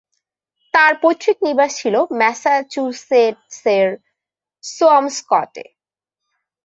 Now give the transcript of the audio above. তার পৈতৃক নিবাস ছিল ম্যাসাচুসেটসের সোয়ামস্কটে।